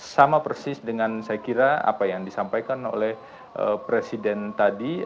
sama persis dengan saya kira apa yang disampaikan oleh presiden tadi